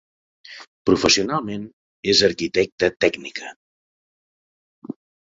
Professionalment és arquitecta tècnica.